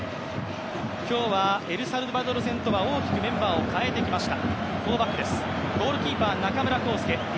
今日はエルサルバドル戦とは大きくメンバーを変えてきました。